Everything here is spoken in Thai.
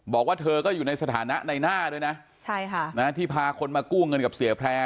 บอกว่าเธอก็อยู่ในสถานะในหน้าด้วยนะใช่ค่ะนะที่พาคนมากู้เงินกับเสียแพร่